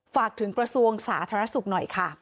ฝากถึงกระทรวงสาธารณสุขหน่อยค่ะ